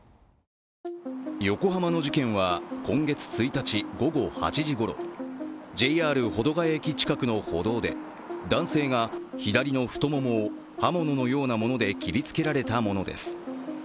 横浜の事件は今月１日、午後８時ごろ、ＪＲ保土ケ谷駅近くの歩道で男性が左の太ももを刃物のようなもので切りつけられたものです。